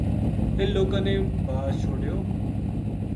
اِنھ لوکاں نے باز چھوڈیو